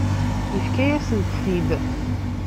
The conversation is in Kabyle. Yefka-yasent-t-id.